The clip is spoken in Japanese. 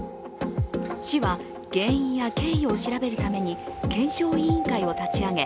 市は原因や経緯を調べるために検証委員会を立ち上げ